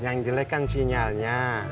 yang jelek kan sinyalnya